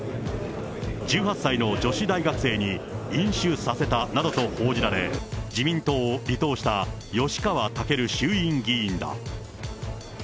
１８歳の女子大学生に飲酒させたなどと報じられ、自民党を離党した吉川赳衆院議員だ。